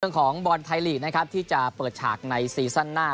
เรื่องของบอร์ดไทยลีคร์ที่จะเปิดฉากในซีสั้นหน้า